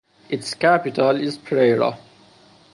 Its capital is Pereira.